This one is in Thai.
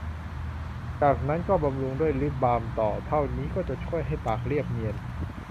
จากนั้นก็บำรุงด้วยลิปบาล์มต่อ เท่านี้ก็จะช่วยให้ปากเรียบเนียน